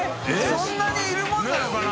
そんなにいるものなのかな？